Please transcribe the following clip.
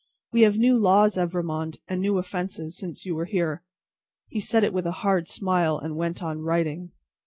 "We have new laws, Evrémonde, and new offences, since you were here." He said it with a hard smile, and went on writing.